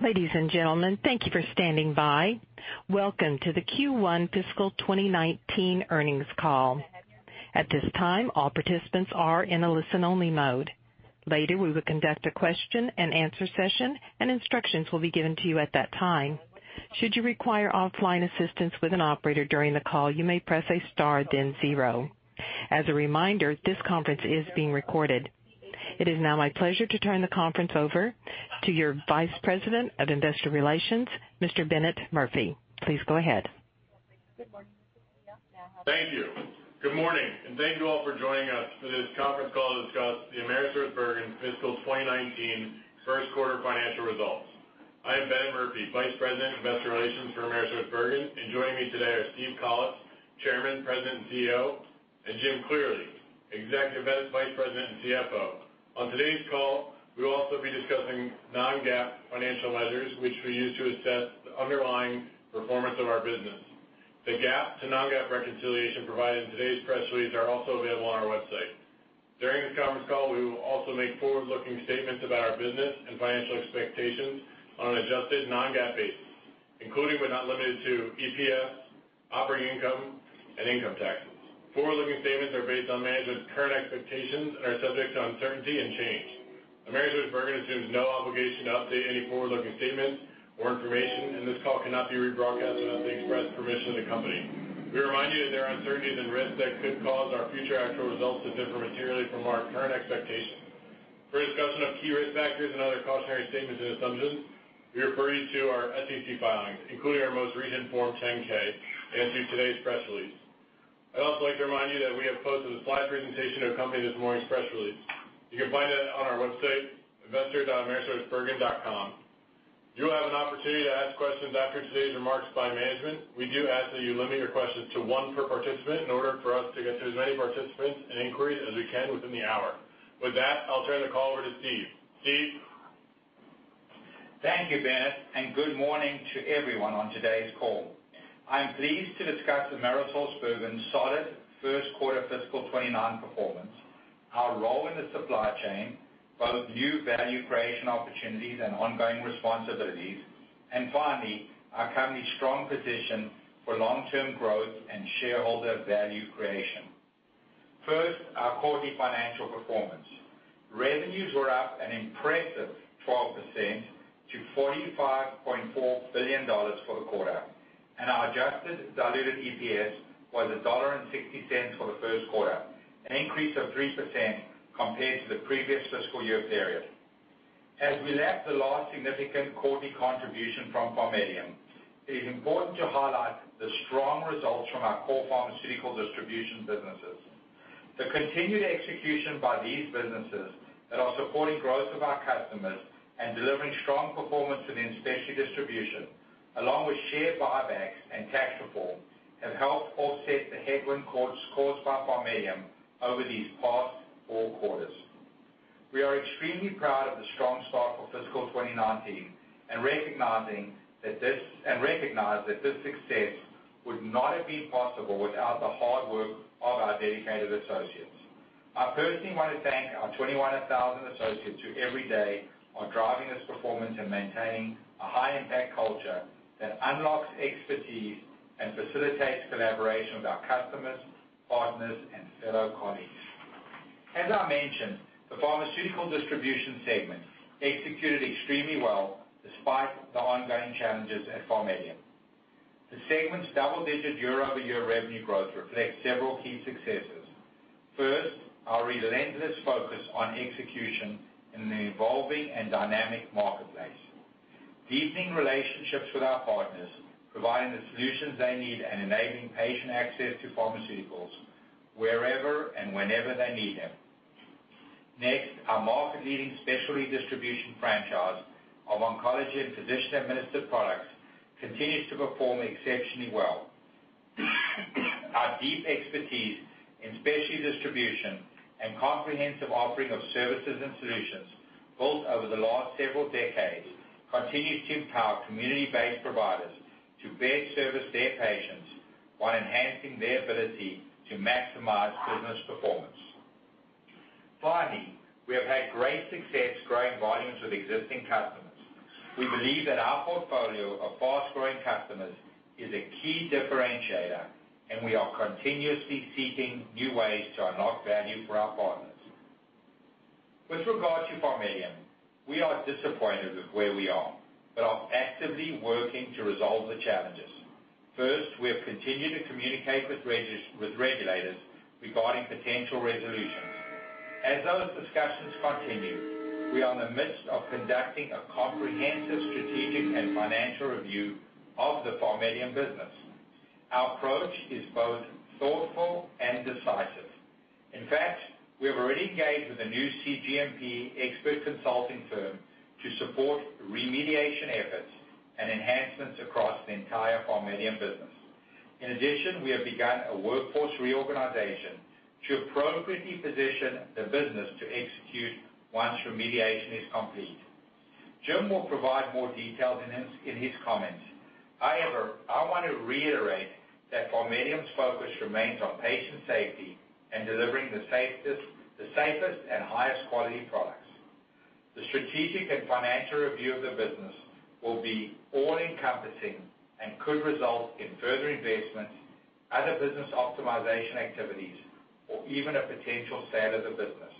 Ladies and gentlemen, thank you for standing by. Welcome to the Q1 fiscal 2019 earnings call. At this time, all participants are in a listen-only mode. Later, we will conduct a question-and-answer session, and instructions will be given to you at that time. Should you require offline assistance with an operator during the call, you may press star then zero. As a reminder, this conference is being recorded. It is now my pleasure to turn the conference over to your Vice President of Investor Relations, Mr. Bennett Murphy. Please go ahead. Thank you. Good morning, and thank you all for joining us for this conference call to discuss the AmerisourceBergen fiscal 2019 first quarter financial results. I am Bennett Murphy, Vice President, Investor Relations for AmerisourceBergen, and joining me today are Steve Collis, Chairman, President, and CEO, and Jim Cleary, Executive Vice President and CFO. On today's call, we will also be discussing non-GAAP financial measures, which we use to assess the underlying performance of our business. The GAAP to non-GAAP reconciliation provided in today's press release are also available on our website. During this conference call, we will also make forward-looking statements about our business and financial expectations on an adjusted non-GAAP basis, including, but not limited to EPS, operating income, and income taxes. Forward-looking statements are based on management's current expectations and are subject to uncertainty and change. AmerisourceBergen assumes no obligation to update any forward-looking statements or information, and this call cannot be rebroadcast without the express permission of the company. We remind you that there are uncertainties and risks that could cause our future actual results to differ materially from our current expectations. For a discussion of key risk factors and other cautionary statements and assumptions, we refer you to our SEC filings, including our most recent Form 10-K and to today's press release. I'd also like to remind you that we have posted a slide presentation to accompany this morning's press release. You can find it on our website investor.amerisourcebergen.com. You will have an opportunity to ask questions after today's remarks by management. We do ask that you limit your questions to one per participant in order for us to get to as many participants and inquiries as we can within the hour. With that, I'll turn the call over to Steve. Steve? Thank you, Bennett, and good morning to everyone on today's call. I am pleased to discuss AmerisourceBergen's solid first quarter fiscal 2019 performance, our role in the supply chain, both new value creation opportunities and ongoing responsibilities, and finally, our company's strong position for long-term growth and shareholder value creation. First, our quarterly financial performance. Revenues were up an impressive 12% to $45.4 billion for the quarter. Our adjusted diluted EPS was $1.60 for the first quarter, an increase of 3% compared to the previous fiscal year period. As we left the last significant quarterly contribution from PharMEDium, it is important to highlight the strong results from our core pharmaceutical distribution businesses. The continued execution by these businesses that are supporting growth of our customers and delivering strong performance within specialty distribution, along with share buybacks and tax reform, have helped offset the headwind caused by PharMEDium over these past four quarters. We are extremely proud of the strong start for fiscal 2019 and recognize that this success would not have been possible without the hard work of our dedicated associates. I personally want to thank our 21,000 associates who every day are driving this performance and maintaining a high-impact culture that unlocks expertise and facilitates collaboration with our customers, partners, and fellow colleagues. As I mentioned, the Pharmaceutical Distribution Services segment executed extremely well despite the ongoing challenges at PharMEDium. The segment's double-digit year-over-year revenue growth reflects several key successes. First, our relentless focus on execution in an evolving and dynamic marketplace. Deepening relationships with our partners, providing the solutions they need, and enabling patient access to pharmaceuticals wherever and whenever they need them. Next, our market-leading specialty distribution franchise of oncology and physician-administered products continues to perform exceptionally well. Our deep expertise in specialty distribution and comprehensive offering of services and solutions built over the last several decades continues to empower community-based providers to best service their patients while enhancing their ability to maximize business performance. Finally, we have had great success growing volumes with existing customers. We believe that our portfolio of fast-growing customers is a key differentiator, and we are continuously seeking new ways to unlock value for our partners. With regard to PharMEDium, we are disappointed with where we are but are actively working to resolve the challenges. First, we have continued to communicate with regulators regarding potential resolutions. As those discussions continue, we are in the midst of conducting a comprehensive strategic and financial review of the PharMEDium business. Our approach is both thoughtful and decisive. In fact, we have already engaged with a new cGMP expert consulting firm to support remediation efforts and enhancements across the entire PharMEDium business. In addition, we have begun a workforce reorganization to appropriately position the business to execute once remediation is complete. Jim will provide more details in his comments. However, I want to reiterate that PharMEDium's focus remains on patient safety and delivering the safest and highest quality products. The strategic and financial review of the business will be all-encompassing and could result in further investments, other business optimization activities, or even a potential sale of the business.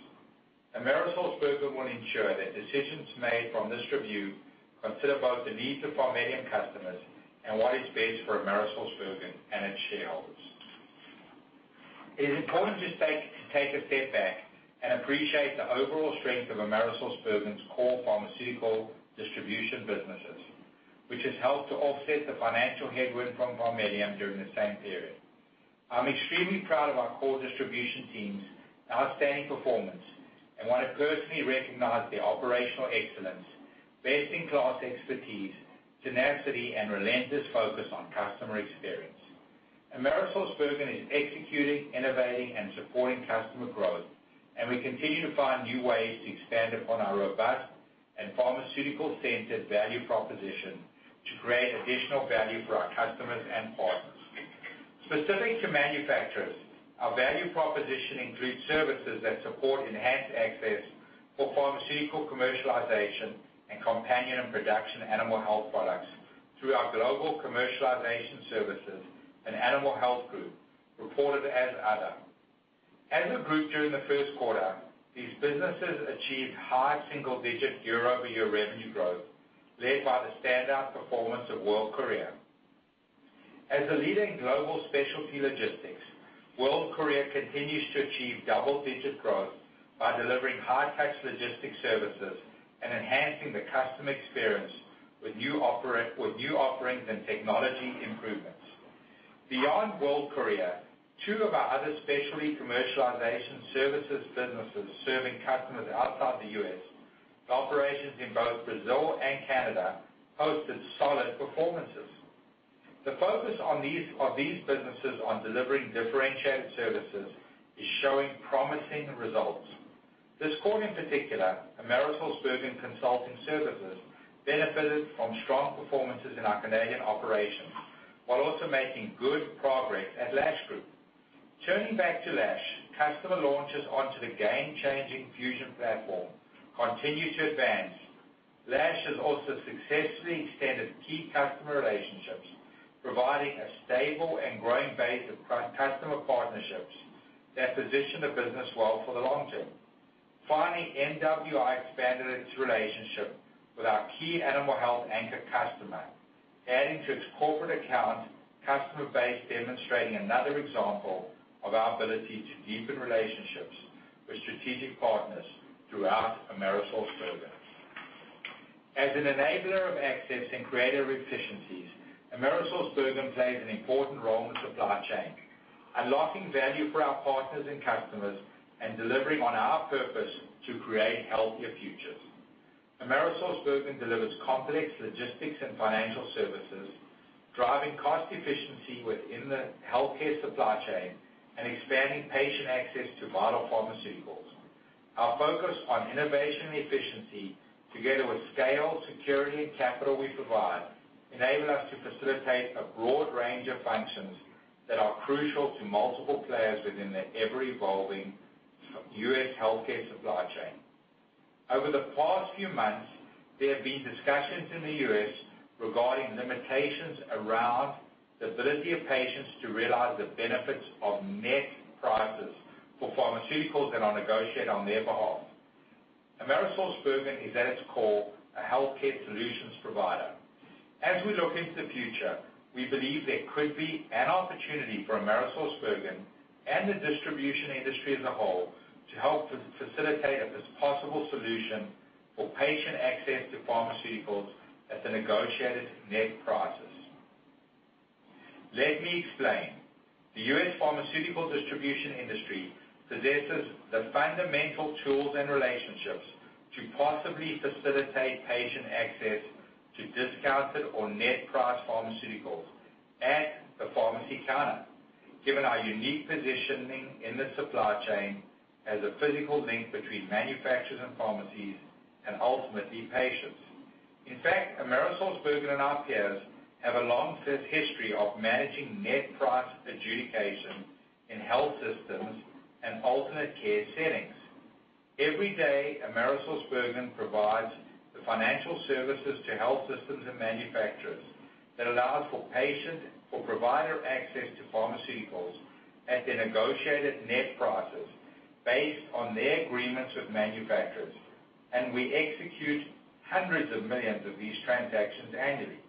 AmerisourceBergen will ensure that decisions made from this review consider both the needs of PharMEDium customers and what is best for AmerisourceBergen and its shareholders. It is important to take a step back and appreciate the overall strength of AmerisourceBergen's core pharmaceutical distribution businesses, which has helped to offset the financial headwind from PharMEDium during the same period. I'm extremely proud of our core distribution teams' outstanding performance and want to personally recognize their operational excellence, best-in-class expertise, tenacity, and relentless focus on customer experience. AmerisourceBergen is executing, innovating, and supporting customer growth, and we continue to find new ways to expand upon our robust and pharmaceutical-centered value proposition to create additional value for our customers and partners. Specific to manufacturers, our value proposition includes services that support enhanced access for pharmaceutical commercialization and companion and production animal health products through our global commercialization services and animal health group, reported as other. As a group during the first quarter, these businesses achieved high single-digit year-over-year revenue growth, led by the standout performance of World Courier. As a leader in global specialty logistics, World Courier continues to achieve double-digit growth by delivering high-tech logistics services and enhancing the customer experience with new offerings and technology improvements. Beyond World Courier, two of our other specialty commercialization services businesses serving customers outside the U.S., with operations in both Brazil and Canada, posted solid performances. The focus of these businesses on delivering differentiated services is showing promising results. This quarter in particular, AmerisourceBergen Consulting Services benefited from strong performances in our Canadian operations, while also making good progress at Lash Group. Turning back to Lash, customer launches onto the game-changing Fusion platform continue to advance. Lash has also successfully extended key customer relationships, providing a stable and growing base of customer partnerships that position the business well for the long term. MWI expanded its relationship with our key animal health anchor customer, adding to its corporate account customer base, demonstrating another example of our ability to deepen relationships with strategic partners throughout AmerisourceBergen. As an enabler of access and creator of efficiencies, AmerisourceBergen plays an important role in supply chain, unlocking value for our partners and customers and delivering on our purpose to create healthier futures. AmerisourceBergen delivers complex logistics and financial services, driving cost efficiency within the healthcare supply chain and expanding patient access to vital pharmaceuticals. Our focus on innovation and efficiency, together with scale, security, and capital we provide, enable us to facilitate a broad range of functions that are crucial to multiple players within the ever-evolving U.S. healthcare supply chain. Over the past few months, there have been discussions in the U.S. regarding limitations around the ability of patients to realize the benefits of net prices for pharmaceuticals that are negotiated on their behalf. AmerisourceBergen is at its core a healthcare solutions provider. As we look into the future, we believe there could be an opportunity for AmerisourceBergen and the distribution industry as a whole to help facilitate this possible solution for patient access to pharmaceuticals at the negotiated net prices. Let me explain. The U.S. pharmaceutical distribution industry possesses the fundamental tools and relationships to possibly facilitate patient access to discounted or net price pharmaceuticals at the pharmacy counter, given our unique positioning in the supply chain as a physical link between manufacturers and pharmacies, and ultimately, patients. In fact, AmerisourceBergen and our peers have a long-standing history of managing net price adjudication in health systems and alternate care settings. Every day, AmerisourceBergen provides the financial services to health systems and manufacturers that allows for patient or provider access to pharmaceuticals at their negotiated net prices based on their agreements with manufacturers, and we execute hundreds of millions of these transactions annually.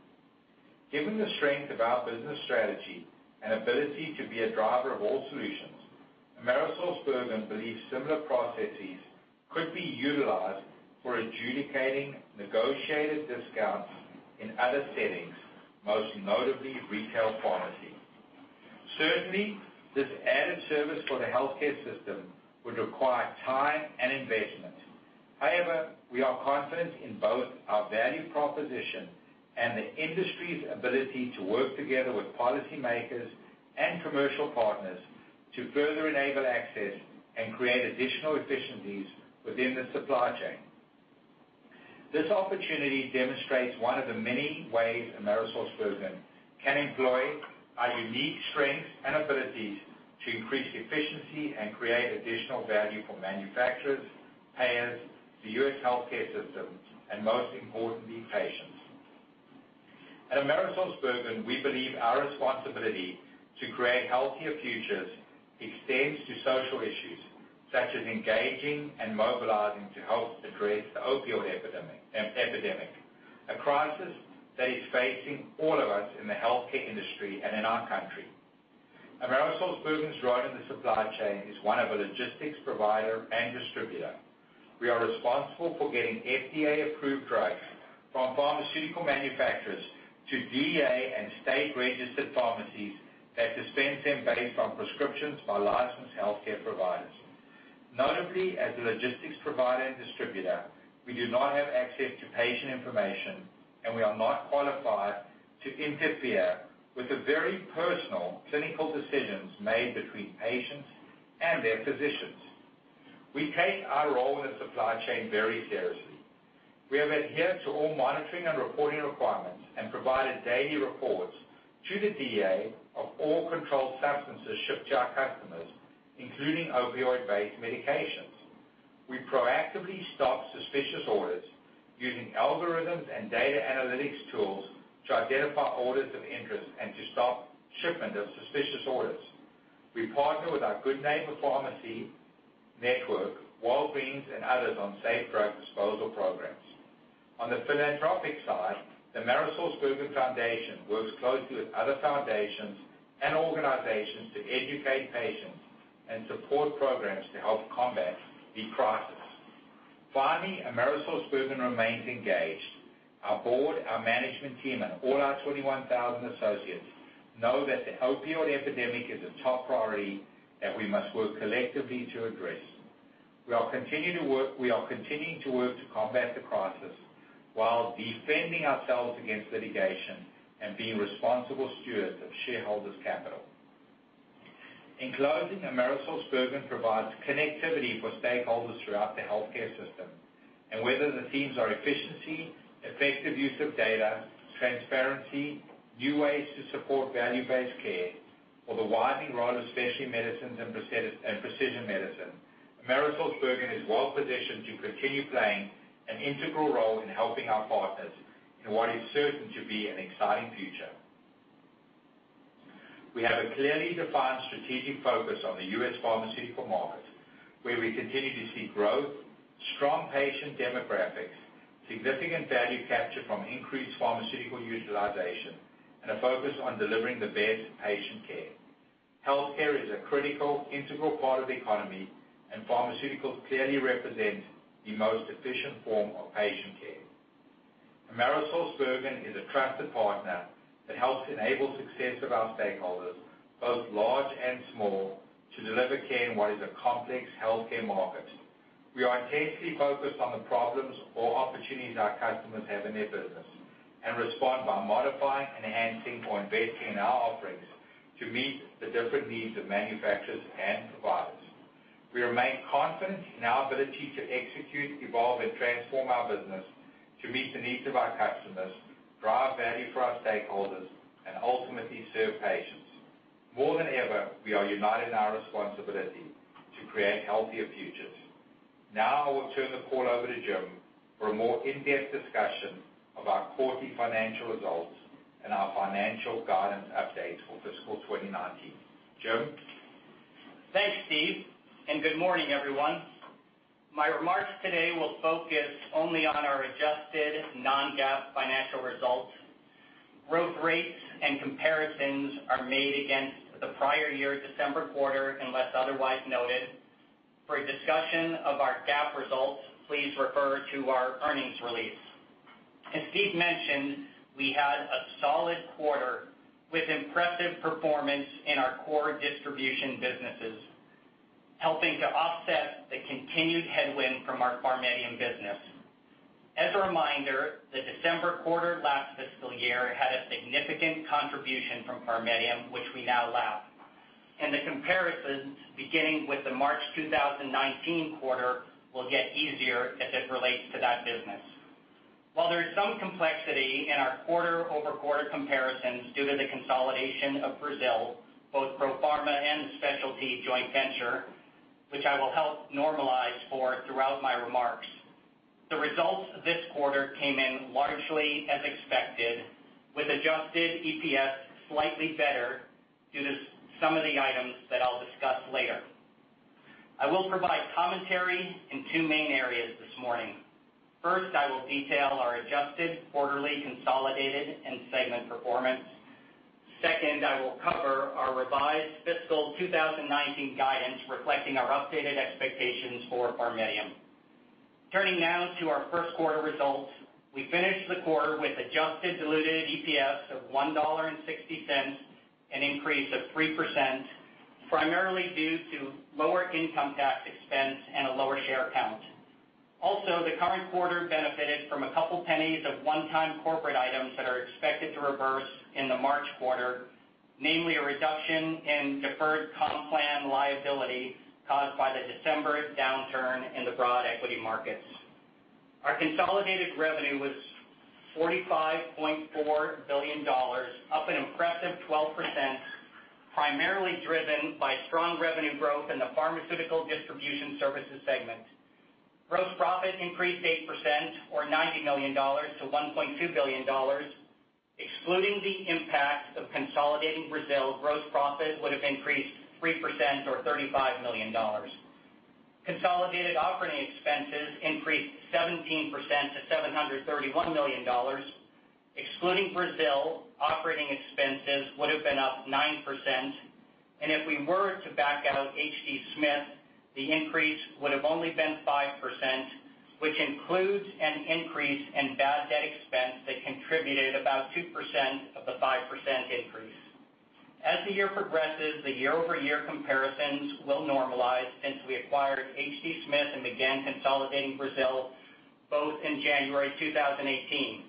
Given the strength of our business strategy and ability to be a driver of all solutions, AmerisourceBergen believes similar processes could be utilized for adjudicating negotiated discounts in other settings, most notably retail pharmacy. Certainly, this added service for the healthcare system would require time and investment. However, we are confident in both our value proposition and the industry's ability to work together with policymakers and commercial partners to further enable access and create additional efficiencies within the supply chain. This opportunity demonstrates one of the many ways AmerisourceBergen can employ our unique strengths and abilities to increase efficiency and create additional value for manufacturers, payers, the U.S. healthcare system, and most importantly, patients. At AmerisourceBergen, we believe our responsibility to create healthier futures extends to social issues, such as engaging and mobilizing to help address the opioid epidemic, a crisis that is facing all of us in the healthcare industry and in our country. AmerisourceBergen's role in the supply chain is one of a logistics provider and distributor. We are responsible for getting FDA-approved drugs from pharmaceutical manufacturers to DEA and state-registered pharmacies that dispense them based on prescriptions by licensed healthcare providers. Notably, as a logistics provider and distributor, we do not have access to patient information, and we are not qualified to interfere with the very personal clinical decisions made between patients and their physicians. We take our role in the supply chain very seriously. We have adhered to all monitoring and reporting requirements and provided daily reports to the DEA of all controlled substances shipped to our customers, including opioid-based medications. We proactively stop suspicious orders using algorithms and data analytics tools to identify orders of interest and to stop shipment of suspicious orders. We partner with our Good Neighbor Pharmacy network, Walgreens, and others on safe drug disposal programs. On the philanthropic side, the AmerisourceBergen Foundation works closely with other foundations and organizations to educate patients and support programs to help combat the crisis. Finally, AmerisourceBergen remains engaged. Our board, our management team, and all our 21,000 associates know that the opioid epidemic is a top priority that we must work collectively to address. We are continuing to work to combat the crisis while defending ourselves against litigation and being responsible stewards of shareholders' capital. In closing, AmerisourceBergen provides connectivity for stakeholders throughout the healthcare system, and whether the themes are efficiency, effective use of data, transparency, new ways to support value-based care, or the widening role of specialty medicines and precision medicine, AmerisourceBergen is well-positioned to continue playing an integral role in helping our partners in what is certain to be an exciting future. We have a clearly defined strategic focus on the U.S. pharmaceutical market, where we continue to see growth, strong patient demographics, significant value capture from increased pharmaceutical utilization, and a focus on delivering the best patient care. Healthcare is a critical, integral part of the economy, and pharmaceuticals clearly represent the most efficient form of patient care. AmerisourceBergen is a trusted partner that helps enable success of our stakeholders, both large and small, to deliver care in what is a complex healthcare market. We are intensely focused on the problems or opportunities our customers have in their business and respond by modifying, enhancing, or investing in our offerings to meet the different needs of manufacturers and providers. We remain confident in our ability to execute, evolve, and transform our business to meet the needs of our customers, drive value for our stakeholders, and ultimately serve patients. More than ever, we are united in our responsibility to create healthier futures. Now, I will turn the call over to Jim for a more in-depth discussion of our quarterly financial results and our financial guidance updates for fiscal 2019. Jim? Thanks, Steve, and good morning, everyone. My remarks today will focus only on our adjusted non-GAAP financial results. Growth rates and comparisons are made against the prior year December quarter, unless otherwise noted. For a discussion of our GAAP results, please refer to our earnings release. As Steve mentioned, we had a solid quarter with impressive performance in our core distribution businesses, helping to offset the continued headwind from our PharMEDium business. As a reminder, the December quarter last fiscal year had a significant contribution from PharMEDium, which we now lap, and the comparisons, beginning with the March 2019 quarter, will get easier as it relates to that business. While there is some complexity in our quarter-over-quarter comparisons due to the consolidation of Brazil, both Profarma and the specialty joint venture, which I will help normalize for throughout my remarks, the results this quarter came in largely as expected, with adjusted EPS slightly better due to some of the items that I'll discuss later. I will provide commentary in two main areas this morning. First, I will detail our adjusted quarterly consolidated and segment performance. Second, I will cover our revised fiscal 2019 guidance, reflecting our updated expectations for PharMEDium. Turning now to our first quarter results, we finished the quarter with adjusted diluted EPS of $1.60, an increase of 3%, primarily due to lower income tax expense and a lower share count. The current quarter a couple of pennies of one-time corporate items that are expected to reverse in the March quarter, namely a reduction in deferred comp plan liability caused by the December downturn in the broad equity markets. Our consolidated revenue was $45.4 billion, up an impressive 12%, primarily driven by strong revenue growth in the Pharmaceutical Distribution Services segment. Gross profit increased 8% or $90 million to $1.2 billion. Excluding the impact of consolidating Brazil, gross profit would have increased 3% or $35 million. Consolidated operating expenses increased 17% to $731 million. Excluding Brazil, operating expenses would've been up 9%, and if we were to back out H. D. Smith, the increase would've only been 5%, which includes an increase in bad debt expense that contributed about 2% of the 5% increase. As the year progresses, the year-over-year comparisons will normalize since we acquired H.D. Smith and began consolidating Brazil both in January 2018.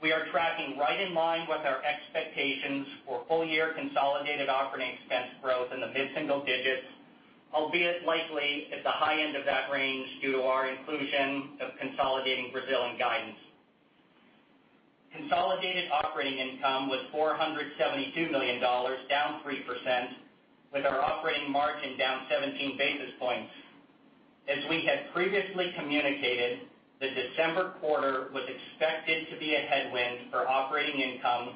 We are tracking right in line with our expectations for full-year consolidated operating expense growth in the mid-single digits, albeit likely at the high end of that range, due to our inclusion of consolidating Brazil and guidance. Consolidated operating income was $472 million, down 3%, with our operating margin down 17 basis points. As we had previously communicated, the December quarter was expected to be a headwind for operating income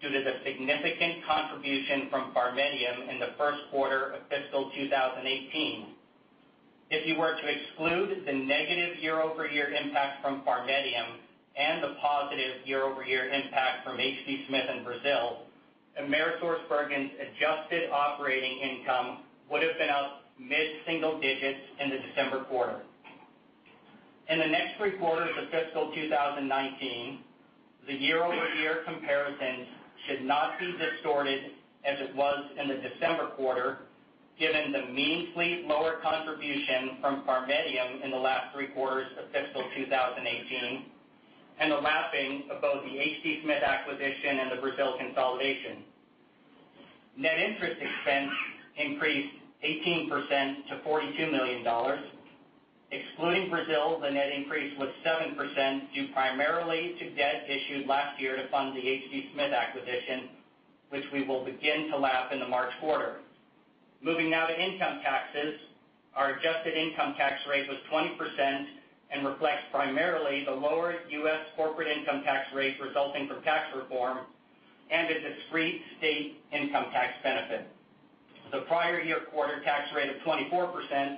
due to the significant contribution from PharMEDium in the first quarter of fiscal 2018. If you were to exclude the negative year-over-year impact from PharMEDium and the positive year-over-year impact from H. D. Smith and Brazil, AmerisourceBergen's adjusted operating income would've been up mid-single digits in the December quarter. In the next three quarters of fiscal 2019, the year-over-year comparisons should not be distorted as it was in the December quarter, given the meaningfully lower contribution from PharMEDium in the last three quarters of fiscal 2018 and the lapping of both the H. D. Smith acquisition and the Brazil consolidation. Net interest expense increased 18% to $42 million. Excluding Brazil, the net increase was 7% due primarily to debt issued last year to fund the H. D. Smith acquisition, which we will begin to lap in the March quarter. Moving now to income taxes. Our adjusted income tax rate was 20% and reflects primarily the lower U.S. corporate income tax rate resulting from tax reform and a discrete state income tax benefit. The prior year quarter tax rate of 24%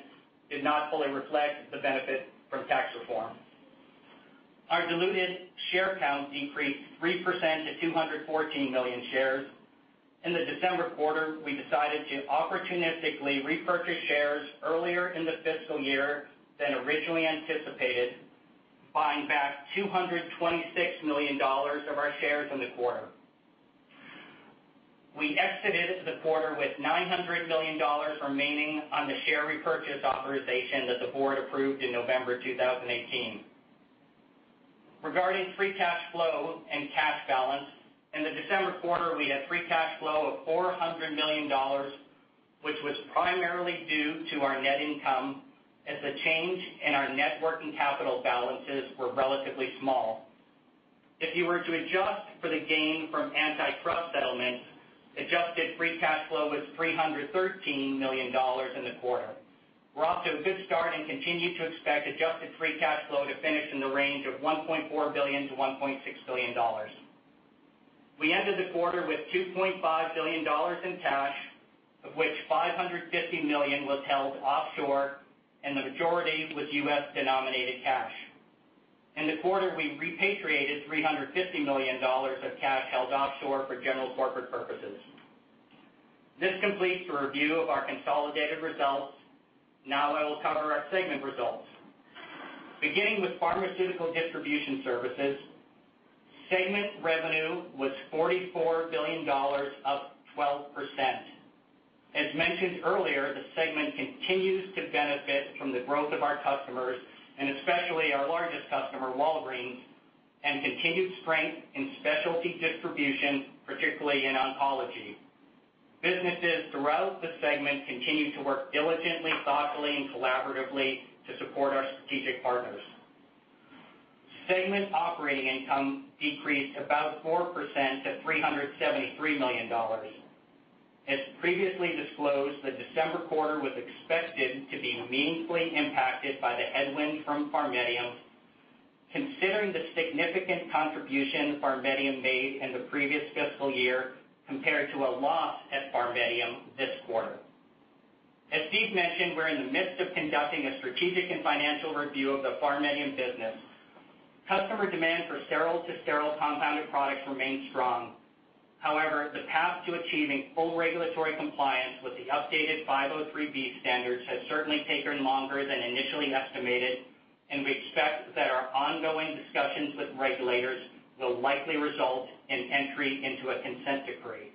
did not fully reflect the benefit from tax reform. Our diluted share count decreased 3% to 214 million shares. In the December quarter, we decided to opportunistically repurchase shares earlier in the fiscal year than originally anticipated, buying back $226 million of our shares in the quarter. We exited the quarter with $900 million remaining on the share repurchase authorization that the board approved in November 2018. Regarding free cash flow and cash balance, in the December quarter, we had free cash flow of $400 million, which was primarily due to our net income as the change in our net working capital balances were relatively small. If you were to adjust for the gain from antitrust settlements, adjusted free cash flow was $313 million in the quarter. We're off to a good start and continue to expect adjusted free cash flow to finish in the range of $1.4 billion-$1.6 billion. We ended the quarter with $2.5 billion in cash, of which $550 million was held offshore, and the majority was U.S.-denominated cash. In the quarter, we repatriated $350 million of cash held offshore for general corporate purposes. This completes the review of our consolidated results. Now I will cover our segment results. Beginning with Pharmaceutical Distribution Services, segment revenue was $44 billion, up 12%. As mentioned earlier, the segment continues to benefit from the growth of our customers, and especially our largest customer, Walgreens, and continued strength in specialty distribution, particularly in oncology. Businesses throughout the segment continue to work diligently, thoughtfully, and collaboratively to support our strategic partners. Segment operating income decreased about 4% to $373 million. As previously disclosed, the December quarter was expected to be meaningfully impacted by the headwind from PharMEDium, considering the significant contribution PharMEDium made in the previous fiscal year, compared to a loss at PharMEDium this quarter. As Steve mentioned, we're in the midst of conducting a strategic and financial review of the PharMEDium business. Customer demand for sterile to sterile compounded products remains strong. However, the path to achieving full regulatory compliance with the updated 503B standards has certainly taken longer than initially estimated, and we expect that our ongoing discussions with regulators will likely result in entry into a consent decree.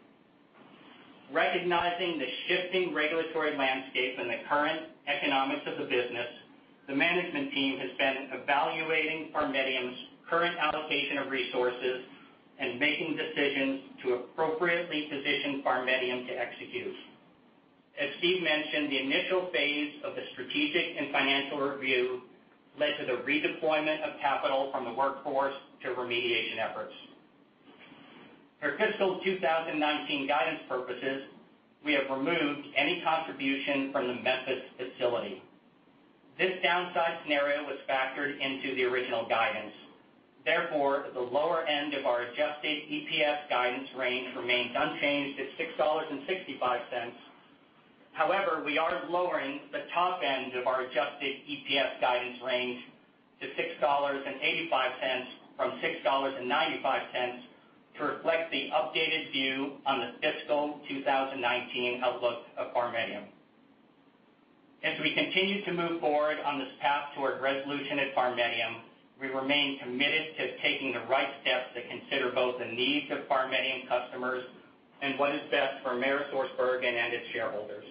Recognizing the shifting regulatory landscape and the current economics of the business, the management team has been evaluating PharMEDium's current allocation of resources and making decisions to appropriately position PharMEDium to execute. As Steve mentioned, the initial phase of the strategic and financial review led to the redeployment of capital from the workforce to remediation efforts. For fiscal 2019 guidance purposes, we have removed any contribution from the Memphis facility. This downside scenario was factored into the original guidance. Therefore, the lower end of our adjusted EPS guidance range remains unchanged at $6.65. However, we are lowering the top end of our adjusted EPS guidance range to $6.85 from $6.95 to reflect the updated view on the fiscal 2019 outlook of PharMEDium. As we continue to move forward on this path toward resolution at PharMEDium, we remain committed to taking the right steps to consider both the needs of PharMEDium customers and what is best for AmerisourceBergen and its shareholders.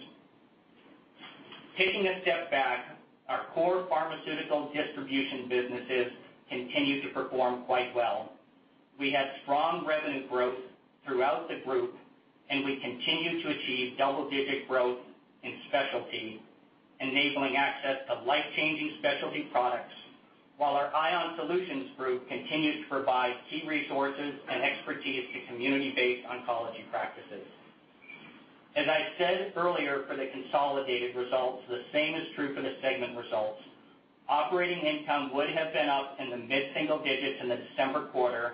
Taking a step back, our core pharmaceutical distribution businesses continue to perform quite well. We had strong revenue growth throughout the group, and we continue to achieve double-digit growth in specialty, enabling access to life-changing specialty products, while our ION Solutions group continues to provide key resources and expertise to community-based oncology practices. As I said earlier for the consolidated results, the same is true for the segment results. Operating income would have been up in the mid-single digits in the December quarter,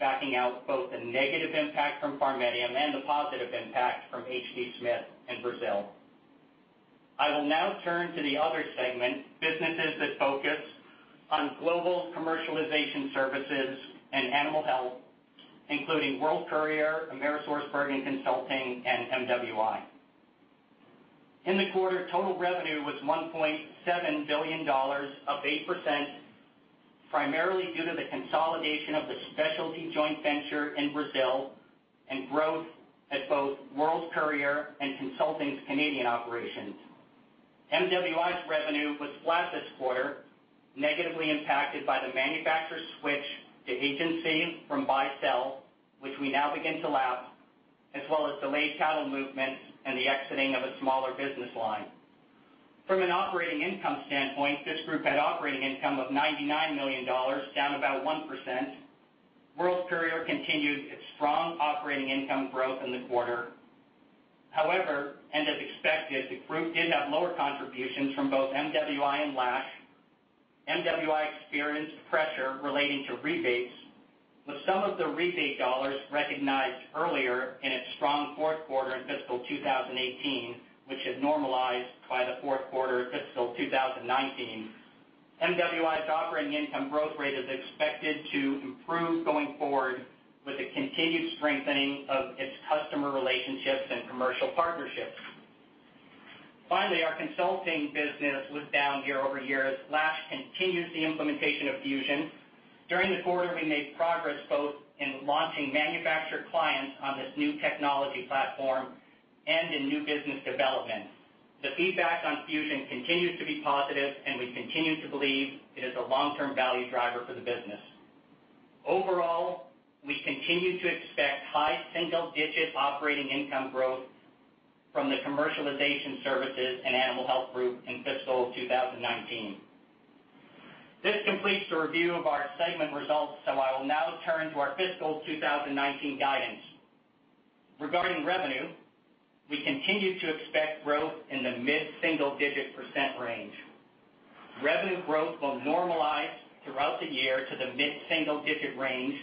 backing out both the negative impact from PharMEDium and the positive impact from H. D. Smith and Brazil. I will now turn to the other segment, businesses that focus on global commercialization services and animal health, including World Courier, AmerisourceBergen Consulting, and MWI. In the quarter, total revenue was $1.7 billion, up 8%, primarily due to the consolidation of the specialty joint venture in Brazil and growth at both World Courier and Consulting's Canadian operations. MWI's revenue was flat this quarter, negatively impacted by the manufacturer switch to agency from buy-sell, which we now begin to lap, as well as delayed cattle movements and the exiting of a smaller business line. From an operating income standpoint, this group had operating income of $99 million, down about 1%. World Courier continued its strong operating income growth in the quarter. However, and as expected, the group did have lower contributions from both MWI and Lash. MWI experienced pressure relating to rebates, with some of the rebate dollars recognized earlier in its strong fourth quarter in fiscal 2018, which has normalized by the fourth quarter of fiscal 2019. MWI's operating income growth rate is expected to improve going forward with the continued strengthening of its customer relationships and commercial partnerships. Finally, our consulting business was down year-over-year as Lash continues the implementation of Fusion. During the quarter, we made progress both in launching manufacturer clients on this new technology platform and in new business development. The feedback on Fusion continues to be positive, and we continue to believe it is a long-term value driver for the business. Overall, we continue to expect high single-digit % operating income growth from the commercialization services and animal health group in fiscal 2019. This completes the review of our segment results. I will now turn to our fiscal 2019 guidance. Regarding revenue, we continue to expect growth in the mid-single-digit % range. Revenue growth will normalize throughout the year to the mid-single-digit range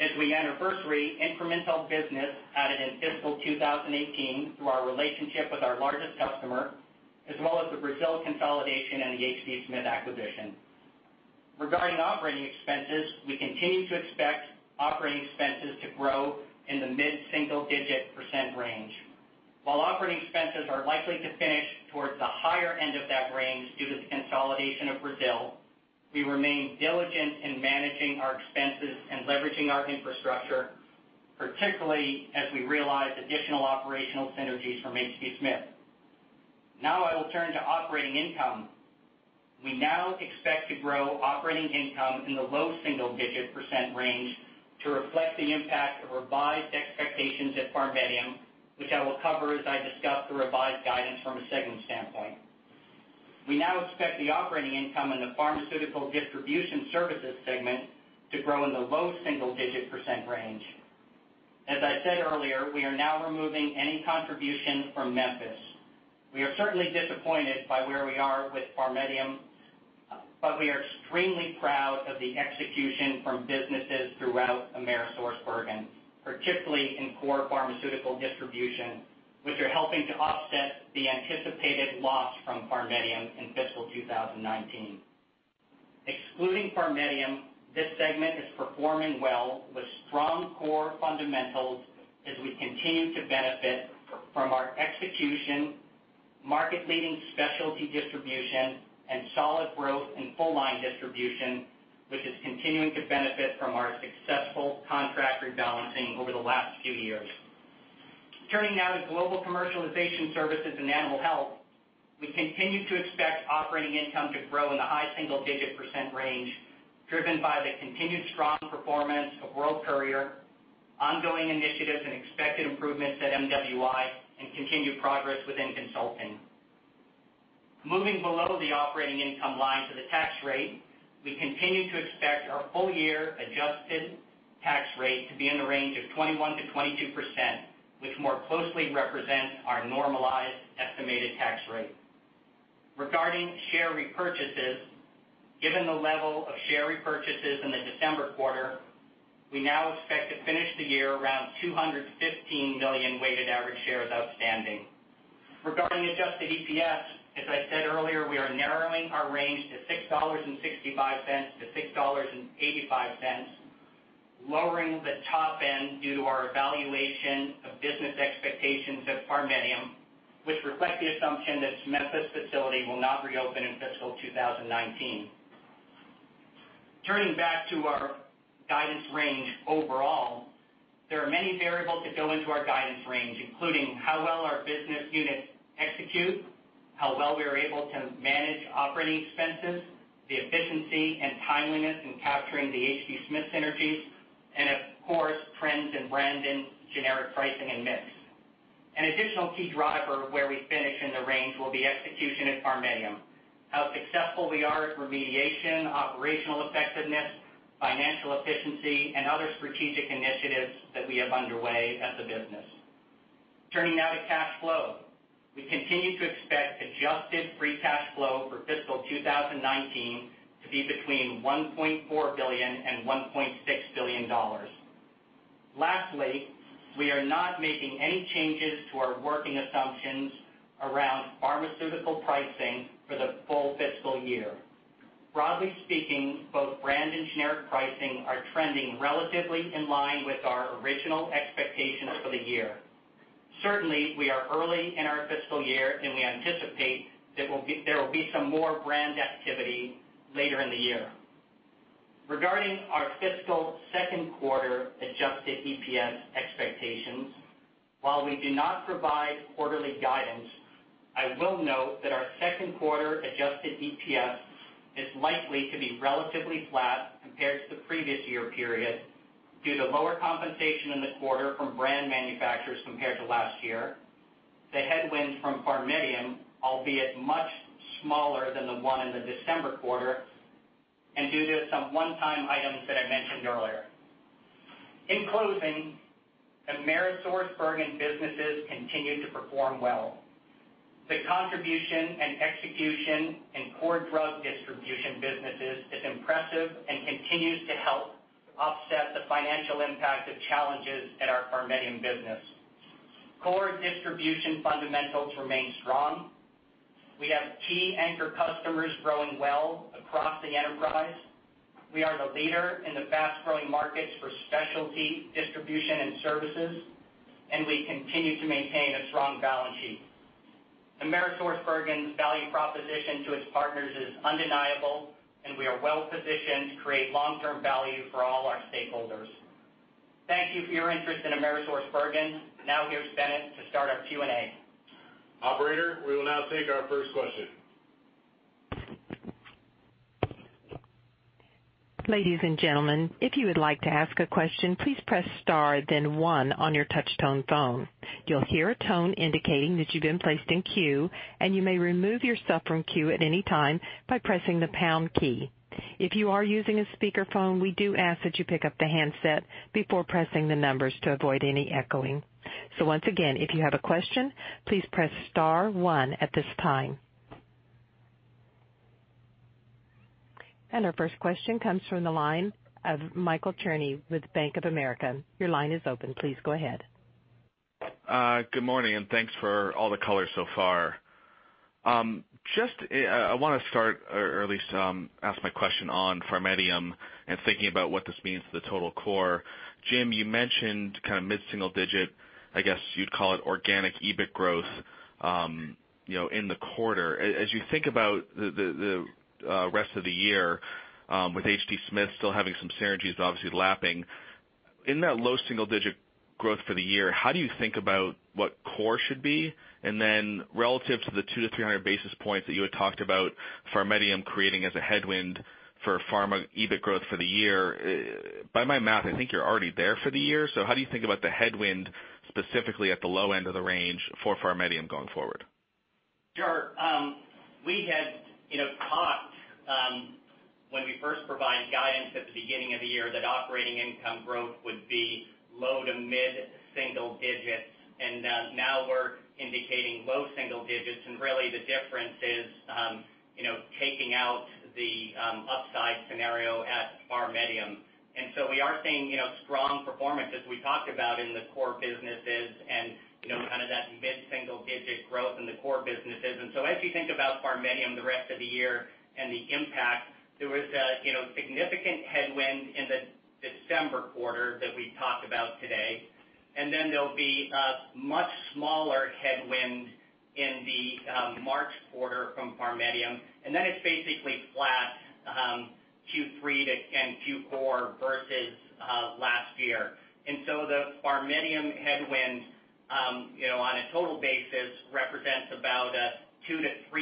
as we anniversary incremental business added in fiscal 2018 through our relationship with our largest customer, as well as the Brazil consolidation and the H. D. Smith acquisition. Regarding operating expenses, we continue to expect operating expenses to grow in the mid-single-digit % range. While operating expenses are likely to finish towards the higher end of that range due to the consolidation of Brazil, we remain diligent in managing our expenses and leveraging our infrastructure, particularly as we realize additional operational synergies from H. D. Smith. Now I will turn to operating income. We now expect to grow operating income in the low single-digit % range to reflect the impact of revised expectations at PharMEDium, which I will cover as I discuss the revised guidance from a segment standpoint. We now expect the operating income in the Pharmaceutical Distribution Services segment to grow in the low single-digit % range. As I said earlier, we are now removing any contribution from Memphis. We are certainly disappointed by where we are with PharMEDium. We are extremely proud of the execution from businesses throughout AmerisourceBergen, particularly in core pharmaceutical distribution, which are helping to offset the anticipated loss from PharMEDium in fiscal 2019. Excluding PharMEDium, this segment is performing well with strong core fundamentals as we continue to benefit from our executionMarket-leading specialty distribution and solid growth in full line distribution, which is continuing to benefit from our successful contract rebalancing over the last few years. Turning now to global commercialization services and animal health, we continue to expect operating income to grow in the high single-digit % range, driven by the continued strong performance of World Courier, ongoing initiatives and expected improvements at MWI, and continued progress within consulting. Moving below the operating income line to the tax rate, we continue to expect our full year adjusted tax rate to be in the range of 21%-22%, which more closely represents our normalized estimated tax rate. Regarding share repurchases, given the level of share repurchases in the December quarter, we now expect to finish the year around 215 million weighted average shares outstanding. Regarding adjusted EPS, as I said earlier, we are narrowing our range to $6.65-$6.85, lowering the top end due to our evaluation of business expectations at PharMEDium, which reflect the assumption that its Memphis facility will not reopen in fiscal 2019. Turning back to our guidance range overall, there are many variables that go into our guidance range, including how well our business units execute, how well we are able to manage operating expenses, the efficiency and timeliness in capturing the H. D. Smith synergies, and of course, trends in brand and generic pricing and mix. An additional key driver of where we finish in the range will be execution at PharMEDium, how successful we are at remediation, operational effectiveness, financial efficiency, and other strategic initiatives that we have underway at the business. Turning now to cash flow, we continue to expect adjusted free cash flow for fiscal 2019 to be between $1.4 billion and $1.6 billion. Lastly, we are not making any changes to our working assumptions around pharmaceutical pricing for the full fiscal year. Broadly speaking, both brand and generic pricing are trending relatively in line with our original expectations for the year. Certainly, we are early in our fiscal year, and we anticipate there will be some more brand activity later in the year. Regarding our fiscal second quarter adjusted EPS expectations, while we do not provide quarterly guidance, I will note that our second quarter adjusted EPS is likely to be relatively flat compared to the previous year period due to lower compensation in the quarter from brand manufacturers compared to last year, the headwinds from PharMEDium, albeit much smaller than the one in the December quarter, and due to some one-time items that I mentioned earlier. In closing, AmerisourceBergen businesses continue to perform well. The contribution and execution in core drug distribution businesses is impressive and continues to help offset the financial impact of challenges at our PharMEDium business. Core distribution fundamentals remain strong. We have key anchor customers growing well across the enterprise. We are the leader in the fast-growing markets for specialty distribution and services, and we continue to maintain a strong balance sheet. AmerisourceBergen's value proposition to its partners is undeniable, and we are well-positioned to create long-term value for all our stakeholders. Thank you for your interest in AmerisourceBergen. Now, here's Bennett to start our Q&A. Operator, we will now take our first question. Ladies and gentlemen, if you would like to ask a question, please press star then one on your touch-tone phone. You'll hear a tone indicating that you've been placed in queue, and you may remove yourself from queue at any time by pressing the pound key. If you are using a speakerphone, we do ask that you pick up the handset before pressing the numbers to avoid any echoing. Once again, if you have a question, please press star one at this time. Our first question comes from the line of Michael Cherny with Bank of America. Your line is open. Please go ahead. Good morning, thanks for all the color so far. I want to start, or at least, ask my question on PharMEDium and thinking about what this means to the total core. Jim, you mentioned mid-single-digit, I guess, you'd call it organic EBIT growth in the quarter. As you think about the rest of the year, with H. D. Smith still having some synergies, obviously lapping. In that low-single-digit growth for the year, how do you think about what core should be? Then relative to the 200-300 basis points that you had talked about PharMEDium creating as a headwind for pharma EBIT growth for the year, by my math, I think you're already there for the year. How do you think about the headwind specifically at the low end of the range for PharMEDium going forward? Sure. We had talked, when we first provided guidance at the beginning of the year, that operating income growth would be low-to-mid-single digits, and now we're indicating low-single digits, and really the difference is taking out the upside scenario at PharMEDium. We are seeing strong performance as we talked about in the core businesses and that mid-single-digit growth in the core businesses. As you think about PharMEDium, the rest of the year and the impact, there was a significant headwind in the December quarter that we talked about today. Then there'll be a much smaller headwind in the March quarter from PharMEDium, then it's basically flat Q3 and Q4 versus last year. So the PharMEDium headwind, on a total basis, represents about a 2%-3%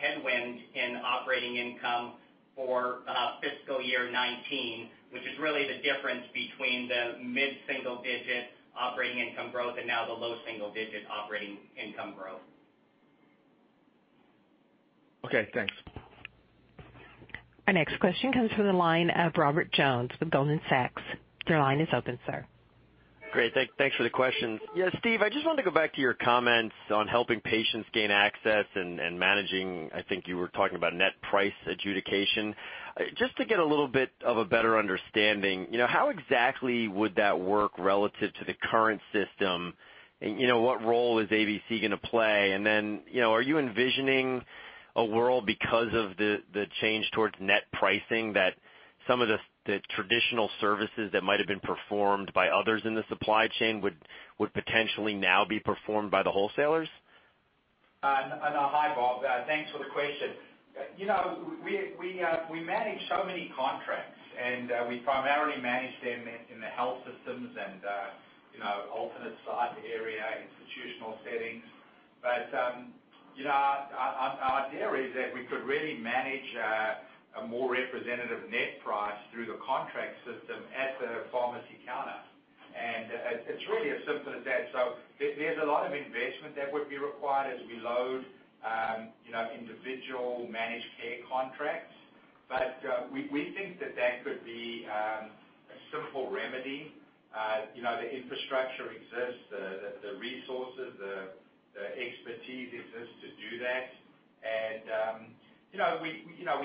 headwind in operating income for fiscal year 2019, which is really the difference between the mid-single-digit operating income growth and now the low single-digit operating income growth. Okay, thanks. Our next question comes from the line of Robert Jones with Goldman Sachs. Your line is open, sir. Great. Thanks for the question. Yeah, Steve, I just wanted to go back to your comments on helping patients gain access and managing, I think you were talking about net price adjudication. Just to get a little bit of a better understanding, how exactly would that work relative to the current system? What role is ABC going to play? Then, are you envisioning a world because of the change towards net pricing that some of the traditional services that might have been performed by others in the supply chain would potentially now be performed by the wholesalers? Hi, Robert. Thanks for the question. We primarily manage them in the health systems and alternate site area, institutional settings. Our theory is that we could really manage a more representative net price through the contract system at the pharmacy counter. It's really as simple as that. There's a lot of investment that would be required as we load individual managed care contracts. We think that that could be a simple remedy. The infrastructure exists, the resources, the expertise exists to do that.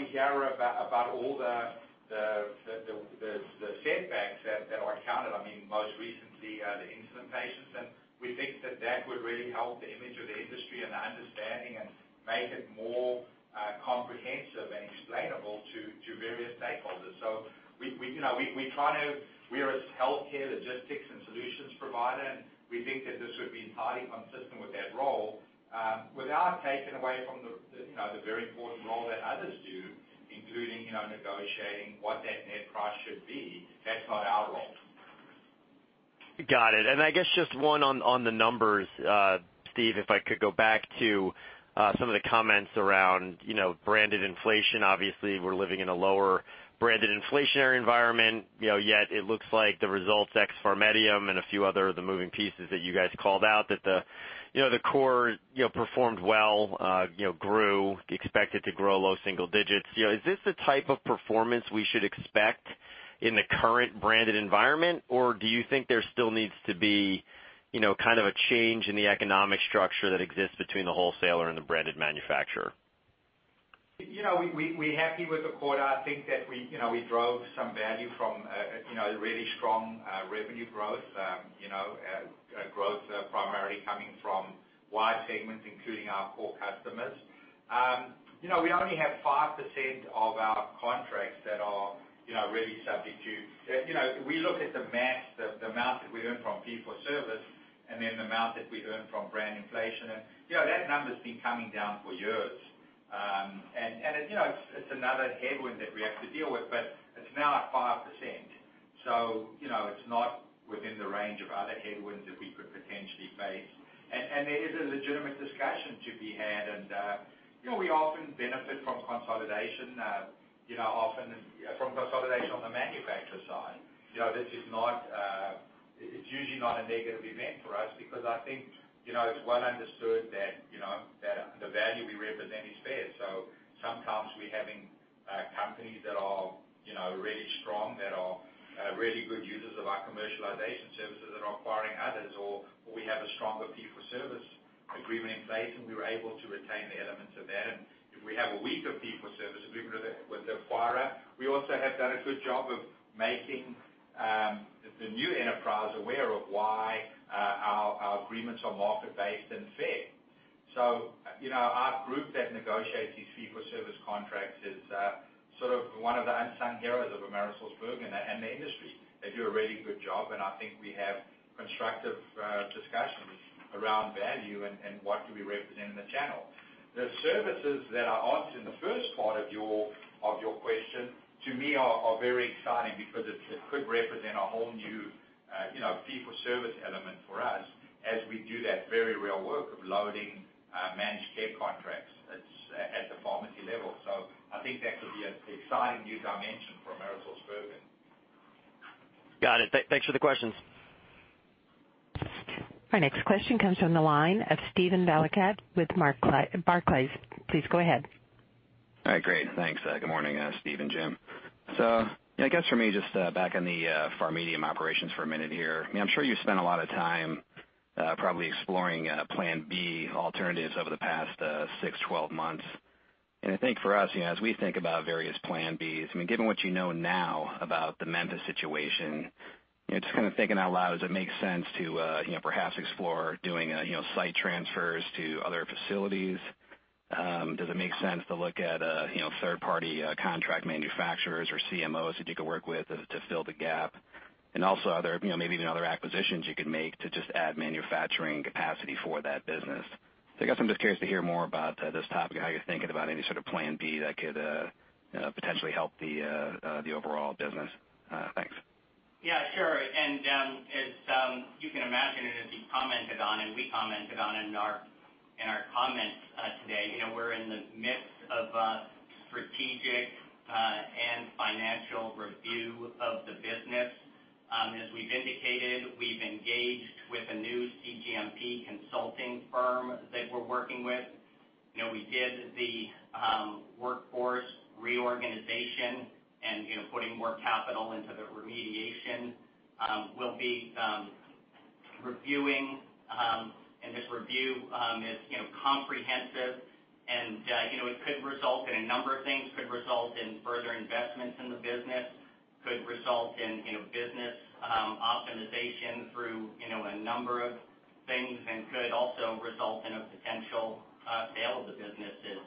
We hear about all the setbacks that are counted. Most recently, the insulin patients, we think that that would really help the image of the industry and the understanding and make it more comprehensive and explainable to various stakeholders. We are a healthcare logistics and solutions provider, we think that this would be entirely consistent with that role without taking away from the very important role that others do, including negotiating what that net price should be. That's not our role. Got it. I guess just one on the numbers, Steve Collis, if I could go back to some of the comments around branded inflation. Obviously, we're living in a lower branded inflationary environment, yet it looks like the results, ex PharMEDium and a few other of the moving pieces that you guys called out, that the core performed well, grew, expected to grow low single digits. Is this the type of performance we should expect in the current branded environment, or do you think there still needs to be a change in the economic structure that exists between the wholesaler and the branded manufacturer? We're happy with the quarter. I think that we drove some value from a really strong revenue growth. Growth primarily coming from wide segments, including our core customers. We only have 5% of our contracts that are really subject to. We look at the mass, the amount that we earn from fee-for-service, and then the amount that we earn from brand inflation. That number's been coming down for years. It's another headwind that we have to deal with, but it's now at 5%. It's not within the range of other headwinds that we could potentially face. There is a legitimate discussion to be had, we often benefit from consolidation on the manufacturer side. It's usually not a negative event for us because I think it's well understood that the value we represent is fair. Sometimes we're having companies that are really strong, that are really good users of our commercialization services and are acquiring others, or we have a stronger fee-for-service agreement in place, and we were able to retain the elements of that. If we have a weaker fee-for-service agreement with the acquirer, we also have done a good job of making the new enterprise aware of why our agreements are market-based and fair. Our group that negotiates these fee-for-service contracts is one of the unsung heroes of AmerisourceBergen and the industry. They do a really good job, and I think we have constructive discussions around value and what do we represent in the channel. The services that I asked in the first part of your question, to me, are very exciting because it could represent a whole new fee-for-service element for us as we do that very real work of loading managed care contracts at the pharmacy level. I think that could be an exciting new dimension for AmerisourceBergen. Got it. Thanks for the questions. Our next question comes from the line of Steven Valiquette with Barclays. Please go ahead. All right. Great. Thanks. Good morning, Steve and Jim. I guess for me, just back on the PharMEDium operations for a minute here. I'm sure you spent a lot of time probably exploring Plan B alternatives over the past six, 12 months. I think for us, as we think about various plan Bs, given what you know now about the Memphis situation, just kind of thinking out loud, does it make sense to perhaps explore doing site transfers to other facilities? Does it make sense to look at third-party contract manufacturers or CMOs that you could work with to fill the gap? Also, maybe even other acquisitions you could make to just add manufacturing capacity for that business. I guess I'm just curious to hear more about this topic and how you're thinking about any sort of plan B that could potentially help the overall business. Thanks. Yeah, sure. As you can imagine, and as you commented on and we commented on in our comments today, we're in the midst of a strategic and financial review of the business. As we've indicated, we've engaged with a new cGMP consulting firm that we're working with. We did the workforce reorganization and putting more capital into the remediation. We'll be reviewing, and this review is comprehensive, and it could result in a number of things. Could result in further investments in the business, could result in business optimization through a number of things, and could also result in a potential sale of the business, as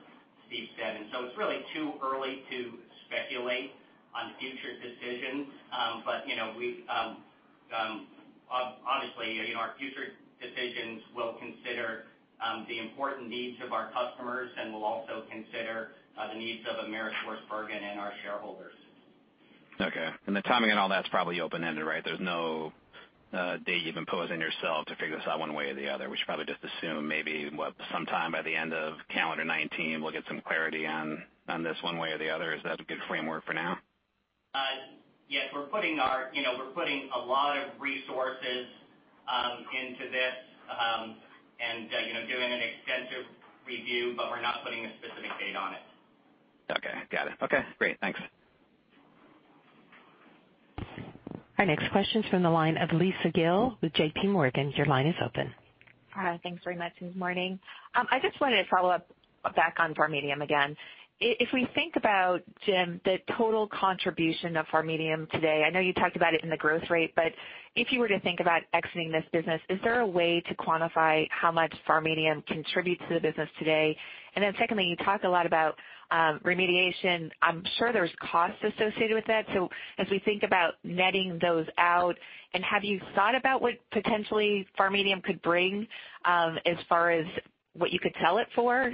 Steve said. It's really too early to speculate on future decisions. Honestly, our future decisions will consider the important needs of our customers, and we'll also consider the needs of AmerisourceBergen and our shareholders. Okay. The timing on all that's probably open-ended, right? There's no date you've imposed on yourself to figure this out one way or the other. We should probably just assume maybe, what, sometime by the end of calendar 2019 we'll get some clarity on this one way or the other. Is that a good framework for now? Yes. We're putting a lot of resources into this and doing an extensive review, but we're not putting a specific date on it. Okay. Got it. Okay, great. Thanks. Our next question is from the line of Lisa Gill with JPMorgan. Your line is open. Thanks very much. Good morning. I just wanted to follow up back on PharMEDium again. If we think about, Jim, the total contribution of PharMEDium today, I know you talked about it in the growth rate, but if you were to think about exiting this business, is there a way to quantify how much PharMEDium contributes to the business today? Secondly, you talk a lot about remediation. I'm sure there's costs associated with that. As we think about netting those out, have you thought about what potentially PharMEDium could bring as far as what you could sell it for?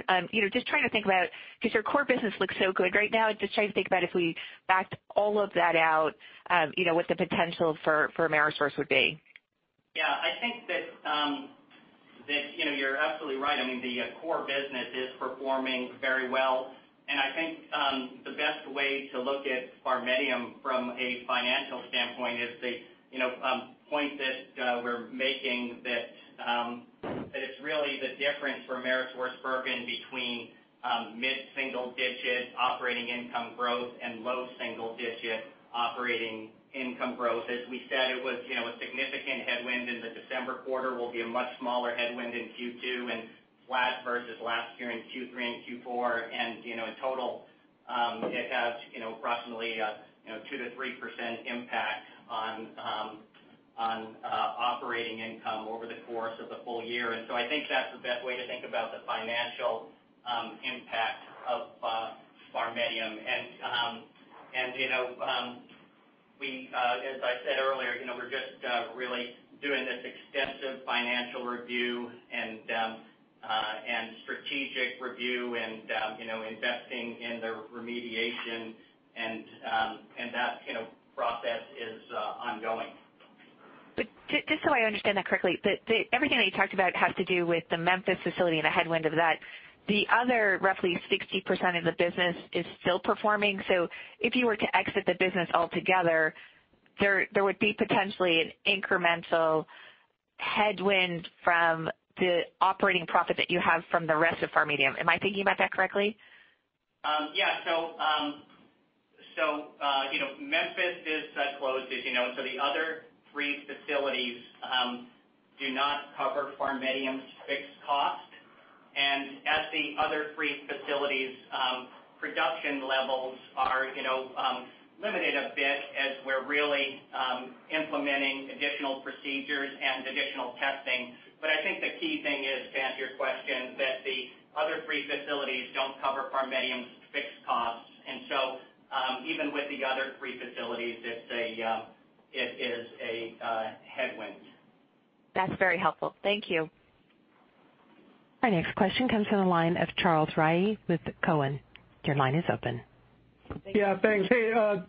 Just trying to think about, because your core business looks so good right now, just trying to think about if we backed all of that out, what the potential for Amerisource would be. Yeah, I think that you're absolutely right. The core business is performing very well. I think the best way to look at PharMEDium from a financial standpoint is the point that we're making that it's really the difference for AmerisourceBergen between mid-single-digit operating income growth and low-single-digit operating income growth. As we said, it was a significant headwind in the December quarter, will be a much smaller headwind in Q2 and flat versus last year in Q3 and Q4. In total, it has approximately a 2%-3% impact on operating income over the course of the full year. I think that's the best way to think about the financial impact of PharMEDium. As I said earlier, we're just really doing this extensive financial review and strategic review and investing in the remediation and that process is ongoing. Just so I understand that correctly, everything that you talked about has to do with the Memphis facility and the headwind of that. The other roughly 60% of the business is still performing. If you were to exit the business altogether, there would be potentially an incremental headwind from the operating profit that you have from the rest of PharMEDium. Am I thinking about that correctly? Yeah. Memphis is closed, as you know, and so the other three facilities do not cover PharMEDium's fixed cost and as the other three facilities' production levels are limited a bit as we're really implementing additional procedures and additional testing. I think the key thing is, to answer your question, that the other three facilities don't cover PharMEDium's fixed costs. Even with the other three facilities, it is a headwind. That's very helpful. Thank you. Our next question comes from the line of Charles Rhyee with Cowen. Your line is open. Yeah, thanks. I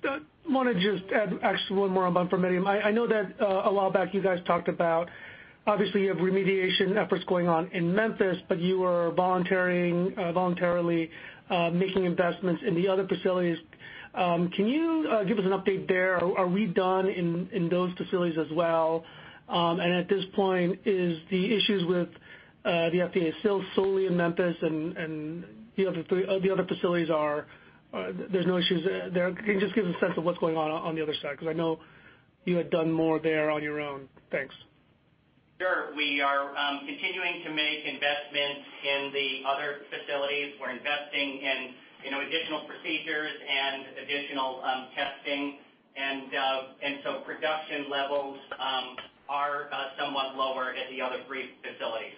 want to just add actually one more about PharMEDium. I know that a while back you guys talked about, obviously, you have remediation efforts going on in Memphis, but you were voluntarily making investments in the other facilities. Can you give us an update there? Are we done in those facilities as well? At this point, is the issues with the FDA still solely in Memphis and the other facilities, there's no issues there? Can you just give us a sense of what's going on the other side? I know you had done more there on your own. Thanks. We are continuing to make investments in the other facilities. We're investing in additional procedures and additional testing, production levels are somewhat lower at the other three facilities.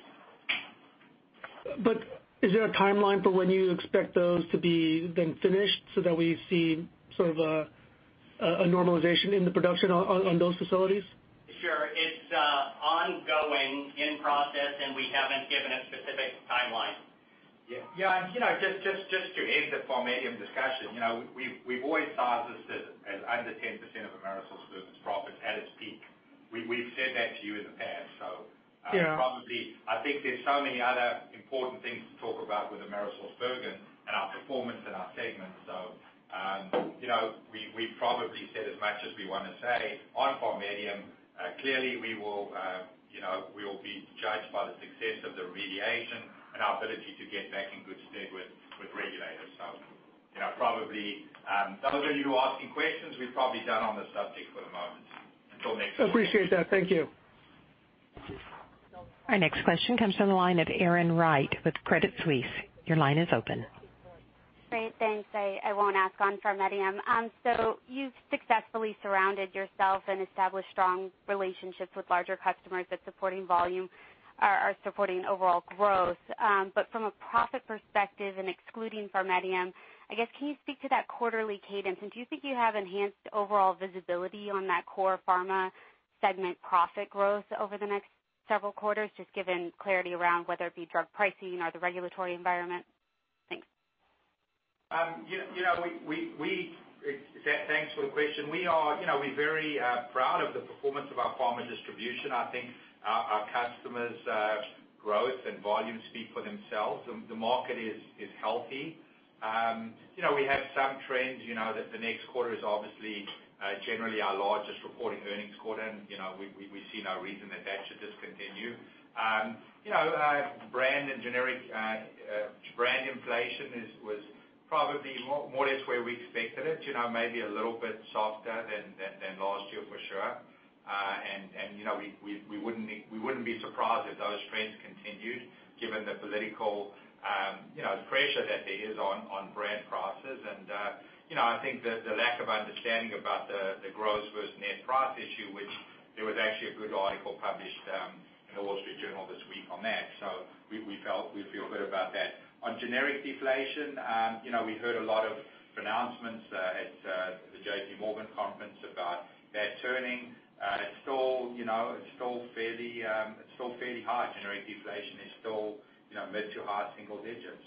Is there a timeline for when you expect those to be then finished so that we see sort of a normalization in the production on those facilities? Sure. It's ongoing, in process, we haven't given a specific timeline. Yeah. Just to end the PharMEDium discussion, we've always sized this as under 10% of AmerisourceBergen's profits at its peak. We've said that to you in the past. Yeah Probably, I think there's so many other important things to talk about with AmerisourceBergen and our performance in our segments. We've probably said as much as we want to say on PharMEDium. Clearly, we will be judged by the success of the remediation and our ability to get back in good stead with regulators. Probably those of you asking questions, we're probably done on this subject for the moment until next quarter. Appreciate that. Thank you. Our next question comes from the line of Erin Wright with Credit Suisse. Your line is open. Great. Thanks. I won't ask on PharMEDium. You've successfully surrounded yourself and established strong relationships with larger customers that are supporting overall growth. From a profit perspective and excluding PharMEDium, I guess, can you speak to that quarterly cadence? Do you think you have enhanced overall visibility on that core pharma segment profit growth over the next several quarters, just given clarity around whether it be drug pricing or the regulatory environment? Thanks. Thanks for the question. We're very proud of the performance of our pharma distribution. I think our customers' growth and volume speak for themselves. The market is healthy. We have some trends, that the next quarter is obviously, generally our largest reporting earnings quarter, and we see no reason that should discontinue. Brand inflation was probably more or less where we expected it, maybe a little bit softer than last year, for sure. We wouldn't be surprised if those trends continued given the political pressure that there is on brand prices. I think the lack of understanding about the gross versus net price issue, which there was actually a good article published in "The Wall Street Journal" this week on that. We feel good about that. On generic deflation, we heard a lot of pronouncements at the JPMorgan conference about that turning. It's still fairly high. Generic deflation is still mid to high single digits.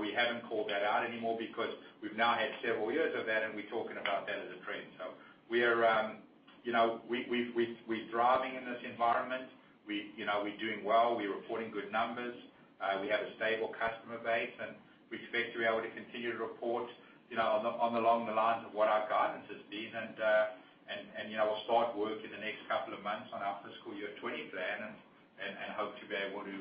We haven't called that out anymore because we've now had several years of that, and we're talking about that as a trend. We're thriving in this environment. We're doing well. We're reporting good numbers. We have a stable customer base, and we expect to be able to continue to report along the lines of what our guidance has been. We'll start work in the next couple of months on our fiscal year 2020 plan and hope to be able to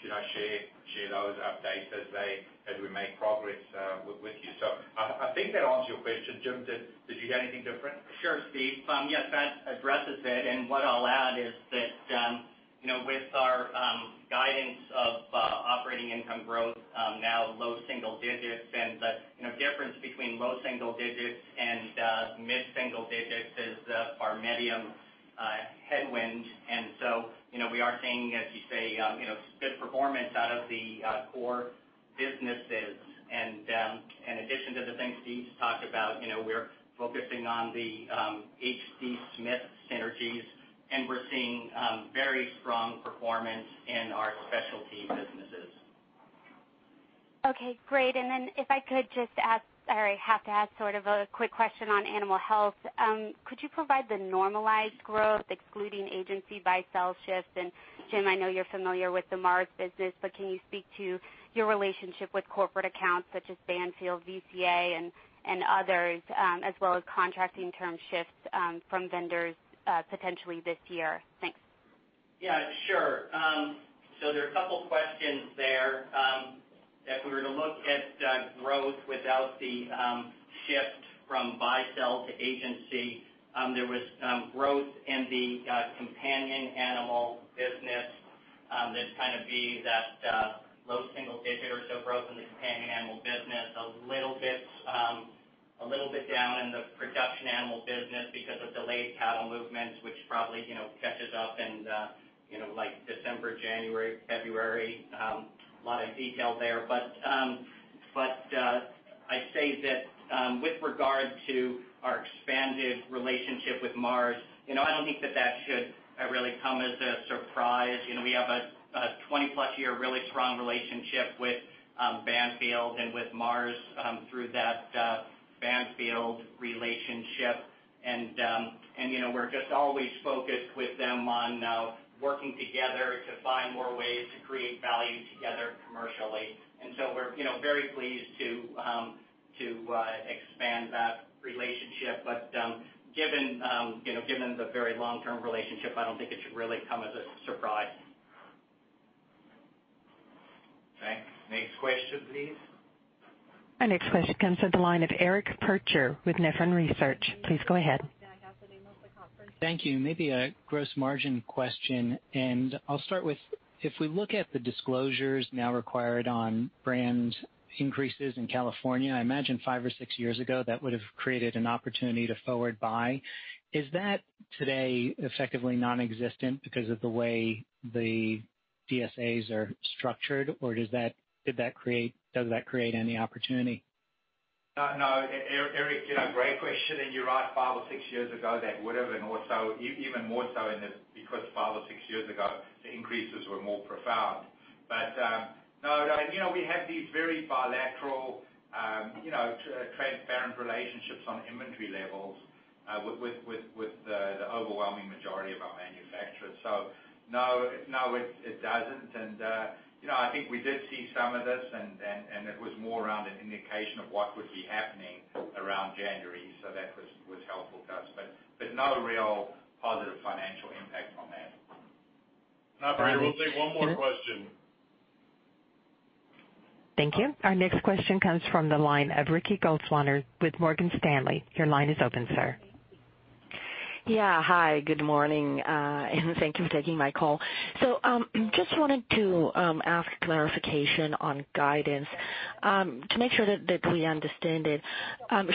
share those updates as we make progress with you. I think that answers your question. Jim, did you have anything different? Sure, Steve. That addresses it, what I'll add is that with our guidance of operating income growth now low single digits, the difference between low single digits and mid-single digits is the PharMEDium headwind. We are seeing, as you say, good performance out of the core businesses. In addition to the things Steve's talked about, we're focusing on the H. D. Smith synergies, and we're seeing very strong performance in our specialty businesses. Okay, great. If I could just ask, or I have to ask sort of a quick question on animal health. Could you provide the normalized growth excluding agency buy-sell shifts? Jim, I know you're familiar with the Mars business, but can you speak to your relationship with corporate accounts such as Banfield, VCA, and others as well as contracting term shifts from vendors potentially this year? Thanks. Yeah, sure. There are a couple of questions there. If we were to look at growth without the shift from buy-sell to agency, there was growth in the companion animal business. That'd be that low single digit or so growth in the companion animal business. A little bit down in the production animal business because of delayed cattle movements, which probably catches up in December, January, February. A lot of detail there. I say that with regard to our expanded relationship with Mars, I don't think that should really come as a surprise. We have a 20-plus year really strong relationship with Banfield and with Mars through that Banfield relationship. We're just always focused with them on working together to find more ways to create value together commercially. We're very pleased to expand that relationship. Given the very long-term relationship, I don't think it should really come as a surprise. Thanks. Next question, please. Our next question comes from the line of Eric Percher with Nephron Research. Please go ahead. Thank you. Maybe a gross margin question, I'll start with, if we look at the disclosures now required on brand increases in California, I imagine five or six years ago, that would've created an opportunity to forward buy. Is that today effectively nonexistent because of the way the DSAs are structured or does that create any opportunity? No. Eric, great question, and you're right. Five or six years ago, that would've, and even more so because five or six years ago, the increases were more profound. No, we have these very bilateral, transparent relationships on inventory levels, with the overwhelming majority of our manufacturers. No, it doesn't. I think we did see some of this, and it was more around an indication of what would be happening around January, that was helpful to us. No real positive financial impact from that. Thank you. Operator, we'll take one more question. Thank you. Our next question comes from the line of Ricky Goldwasser with Morgan Stanley. Your line is open, sir. Yeah. Hi, good morning, and thank you for taking my call. Just wanted to ask clarification on guidance, to make sure that we understand it.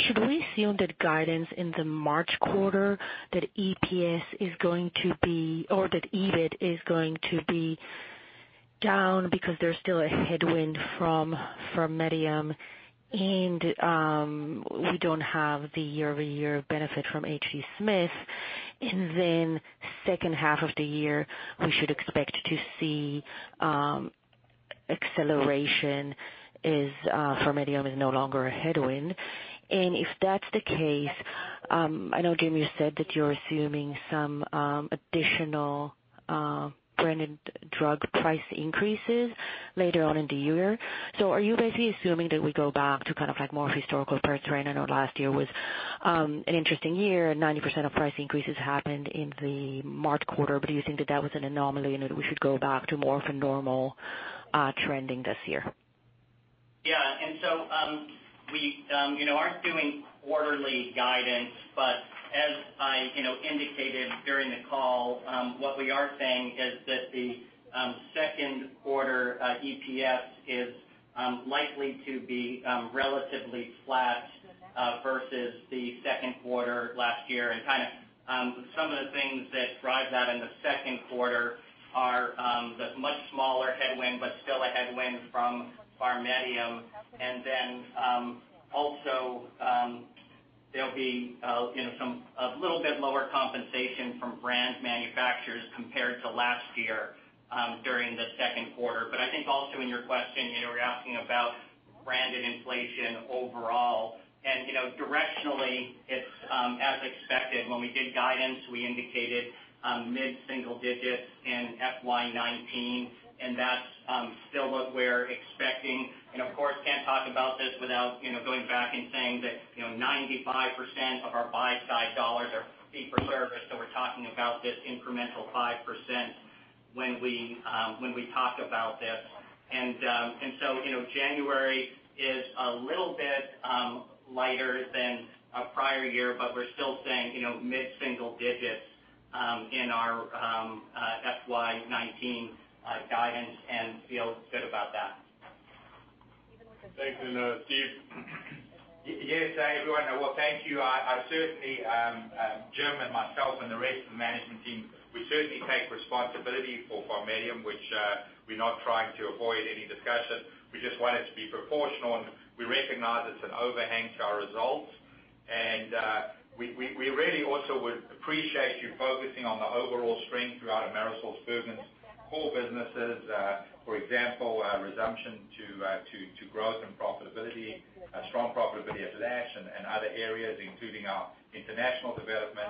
Should we assume that guidance in the March quarter, that EPS is going to be, or that EBIT is going to be down because there's still a headwind from PharMEDium and, we don't have the year-over-year benefit from H. D. Smith? Second half of the year, we should expect to see acceleration as PharMEDium is no longer a headwind. If that's the case, I know, Jim, you said that you're assuming some additional branded drug price increases later on in the year. Are you basically assuming that we go back to more of a historical trend? I know last year was an interesting year. 90% of price increases happened in the March quarter, do you think that that was an anomaly and that we should go back to more of a normal trending this year? Yeah. We aren't doing quarterly guidance, but as I indicated during the call, what we are saying is that the second quarter EPS is likely to be relatively flat versus the second quarter last year. Some of the things that drive that in the second quarter are the much smaller headwind, but still a headwind from PharMEDium. Also, there'll be a little bit lower compensation from brand manufacturers compared to last year during the second quarter. I think also in your question, you were asking about branded inflation overall. Directionally, it's as expected. When we did guidance, we indicated mid-single digits in FY 2019, and that's still what we're expecting. Of course, can't talk about this without going back and saying that 95% of our buy-side dollars are fee-for-service, so we're talking about this incremental 5% when we talk about this. January is a little bit lighter than prior year, but we're still saying mid-single digits in our FY 2019 guidance and feel good about that. Thanks. Steve? Yes, everyone. Well, thank you. Jim and myself and the rest of the management team, we certainly take responsibility for PharMEDium, which we're not trying to avoid any discussion. We just want it to be proportional, and we recognize it's an overhang to our results. We really also would appreciate you focusing on the overall strength throughout AmerisourceBergen's core businesses. For example, resumption to growth and profitability, strong profitability at Lash and other areas, including our international development.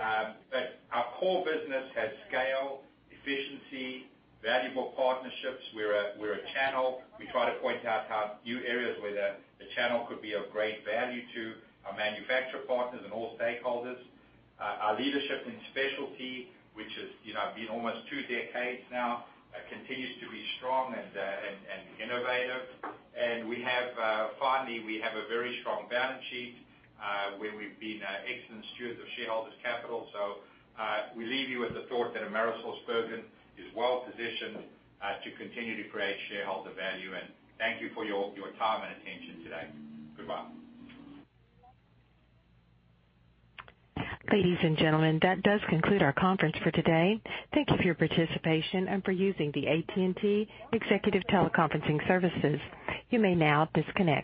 Our core business has scale, efficiency, valuable partnerships. We're a channel. We try to point out our new areas where the channel could be of great value to our manufacturer partners and all stakeholders. Our leadership in specialty, which has been almost two decades now, continues to be strong and innovative. Finally, we have a very strong balance sheet, where we've been excellent stewards of shareholders' capital. We leave you with the thought that AmerisourceBergen is well-positioned to continue to create shareholder value, and thank you for your time and attention today. Goodbye. Ladies and gentlemen, that does conclude our conference for today. Thank you for your participation and for using the AT&T Executive Teleconferencing Services. You may now disconnect.